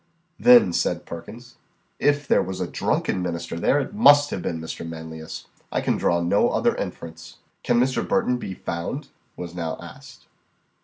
"Then," said Perkins, "if there was a drunken minister there, it must have been Mr. Manlius. I can draw no other inference." "Can Mr. Burton be found?" was now asked.